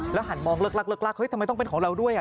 แล้วหันมองเลิกทำไมต้องเป็นของเราด้วย